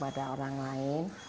tidak ada orang lain